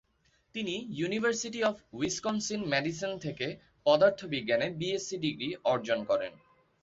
তিনি university of Wisconsin, Madison থেকে পদার্থবিজ্ঞানে বিএসসি ডিগ্রি অর্জন করেন।